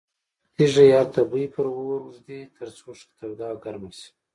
تیږه یا تبۍ پر اور ږدي ترڅو ښه توده او ګرمه شي.